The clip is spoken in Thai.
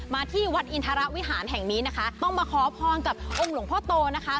ที่วัดอินทรวิหารแห่งนี้นะคะต้องมาขอพรกับองค์หลวงพ่อโตนะคะ